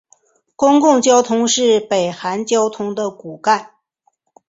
公共交通是北韩交通的骨干。